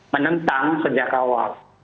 menentang sejak awal